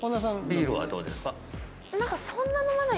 ビールはどうですか？